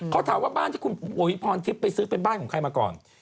เขาถามว่าบ้านที่คุณอุ๋ยพรทิพย์ไปซื้อเป็นบ้านของใครมาก่อน